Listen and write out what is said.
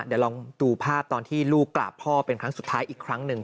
เดี๋ยวลองดูภาพตอนที่ลูกกราบพ่อเป็นครั้งสุดท้ายอีกครั้งหนึ่ง